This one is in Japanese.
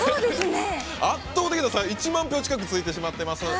圧倒的な差、１万票近くついてしまってます。